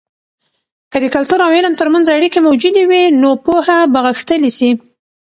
که د کلتور او علم ترمنځ اړیکې موجودې وي، نو پوهه به غښتلې سي.